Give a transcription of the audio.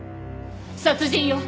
殺人よ。